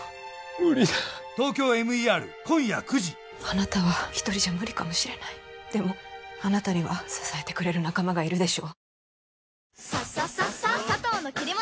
無理だ「ＴＯＫＹＯＭＥＲ」今夜９時あなたは一人じゃ無理かもしれないでもあなたには支えてくれる仲間がいるでしょ？